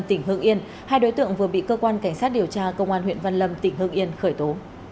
tỉnh hương yên hai đối tượng vừa bị cơ quan cảnh sát điều tra công an huyện văn lâm tỉnh hương yên khởi tố